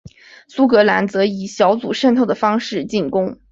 苏格兰则以小组渗透的方式进攻。